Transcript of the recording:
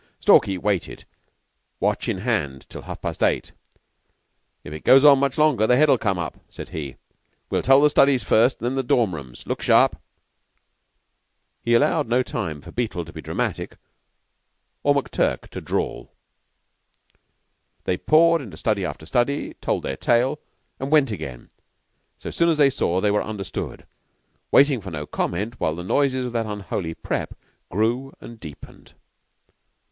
Stalky waited, watch in hand, till half past eight. "If it goes on much longer the Head will come up," said he. "We'll tell the studies first, and then the dorm rooms. Look sharp!" He allowed no time for Beetle to be dramatic or McTurk to drawl. They poured into study after study, told their tale, and went again so soon as they saw they were understood, waiting for no comment; while the noise of that unholy "prep." grew and deepened.